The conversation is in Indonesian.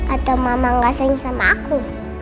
atau mama gak saing sama aku